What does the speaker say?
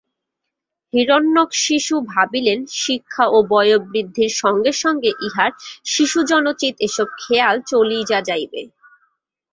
হিরণ্যকশিপু ভাবিলেন, শিক্ষা ও বয়োবৃদ্ধির সঙ্গে সঙ্গে ইঁহার শিশুজনোচিত এসব খেয়াল চলিযা যাইবে।